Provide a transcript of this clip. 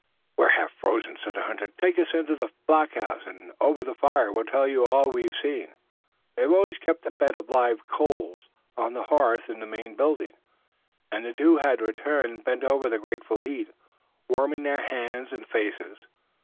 "We're half frozen," said the hunter. "Take us into the blockhouse and over the fire we'll tell you all we've seen." They always kept a bed of live coals on the hearth in the main building, and the two who had returned bent over the grateful heat, warming their hands and faces.